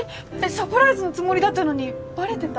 サプライズのつもりだったのにバレてた？